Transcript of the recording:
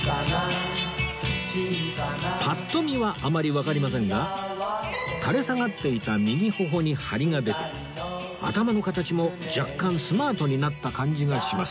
パッと見はあまりわかりませんが垂れ下がっていた右頬に張りが出て頭の形も若干スマートになった感じがします